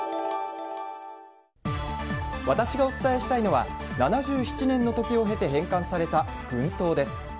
私がお伝えしたいのは７７年の時を経て返還された軍刀です。